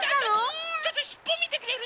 ちょっとしっぽみてくれる？